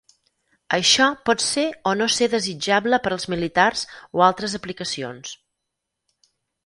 Això pot ser o no ser desitjable per als militars o altres aplicacions.